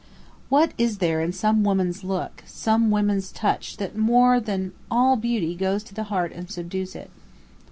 What is there in some women's look, some women's touch that more than all beauty goes to the heart and subdues it.